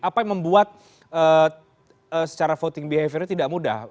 apa yang membuat secara voting behaviornya tidak mudah